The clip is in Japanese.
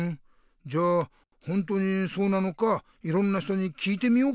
じゃあほんとにそうなのかいろんな人に聞いてみようか。